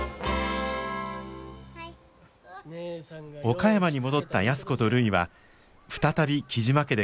岡山に戻った安子とるいは再び雉真家で暮らし始めます。